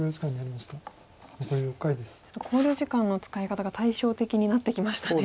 ちょっと考慮時間の使い方が対照的になってきましたね。